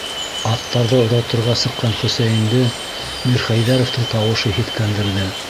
Аттарҙы оҙатырға сыҡҡан Хөсәйенде Мирхәйҙәровтың тауышы һиҫкәндерҙе: